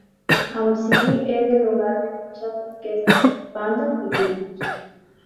Hampshire es el hogar de muchas orquestas, bandas y grupos.